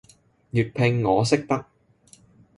粵拼我識得